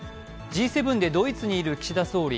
Ｇ７でドイツにいる岸田総理。